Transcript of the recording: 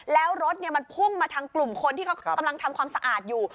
แล้วรถมันพุ่งมาทางกลุ่มคนที่เขากำลังทำความสะอาดอยู่